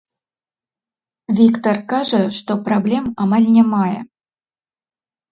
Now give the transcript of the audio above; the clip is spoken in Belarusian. Віктар кажа, што праблем амаль не мае.